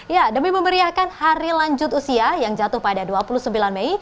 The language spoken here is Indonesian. ya demi memeriahkan hari lanjut usia yang jatuh pada dua puluh sembilan mei